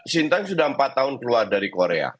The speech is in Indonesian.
sintayong sudah empat tahun keluar dari korea